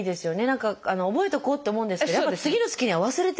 何か覚えとこうって思うんですけどやっぱり次の月には忘れてるんですよね